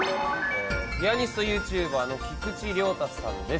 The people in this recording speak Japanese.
ピアニストＹｏｕＴｕｂｅｒの菊池亮太さんです。